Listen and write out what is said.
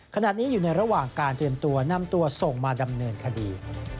ขณะนี้อยู่ในระหว่างการเตรียมตัวนำตัวส่งมาดำเนินคดี